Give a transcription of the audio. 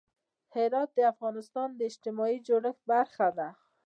هرات د افغانستان د اجتماعي جوړښت برخه ده.